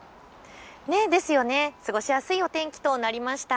過ごしやすいお天気となりました。